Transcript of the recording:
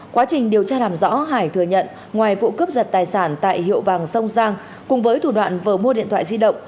quá trình điều tra làm rõ hải thừa nhận ngoài vụ cướp giật tài sản tại hiệu vàng sông giang cùng với thủ đoạn vừa mua điện thoại di động